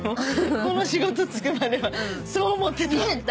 この仕事就くまではそう思ってた。